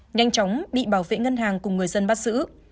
nhanh chóng bị bảo vệ ngân hàng cùng người dân bắt giữ